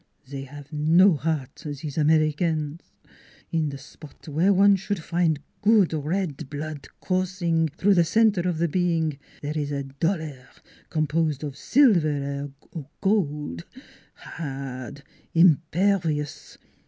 They have no heart these Americans. In the spot where one should find good red blood coursing through the center of the being there is a dollaire composed of silver or gold hard, impervious.